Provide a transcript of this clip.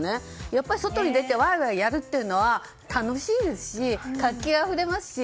やっぱり外に出てワイワイやるというのは楽しいですし、活気あふれますし